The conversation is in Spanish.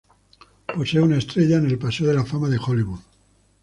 Posee una estrella en el paseo de la fama de Hollywood.